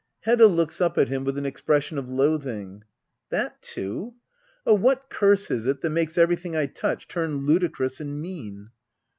Hedda. [Looks up at him with an expression of loathing.'] That too I Oh, what curse is it that makes every thing I touch turn ludicrous and mean